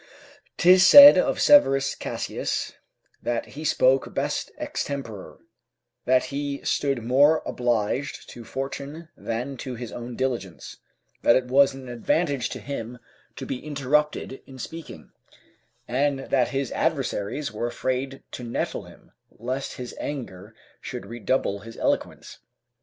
'Tis said of Severus Cassius that he spoke best extempore, that he stood more obliged to fortune than to his own diligence; that it was an advantage to him to be interrupted in speaking, and that his adversaries were afraid to nettle him, lest his anger should redouble his eloquence.